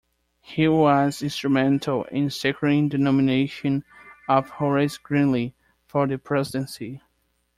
He was instrumental in securing the nomination of Horace Greeley for the presidency.